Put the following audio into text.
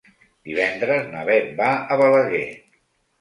Divendres na Beth va a Balaguer.